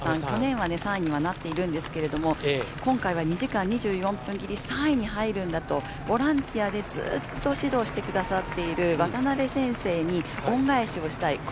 去年は３位にはなっているんですけれども今回は２時間２４分切り３位に入るんだとボランティアでずっと指導してくださっている渡辺先生に恩返しをしたい